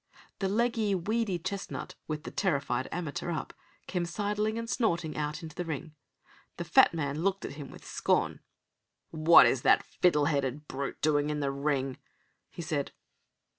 The leggy, weedy chestnut, with the terrified amateur up, came sidling and snorting out into the ring. The fat man looked at him with scorn. "What is that fiddle headed brute doing in the ring?" he said.